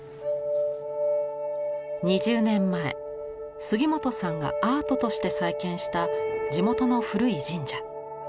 ２０年前杉本さんがアートとして再建した地元の古い神社。